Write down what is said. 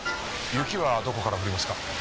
雪はどこから降りますか？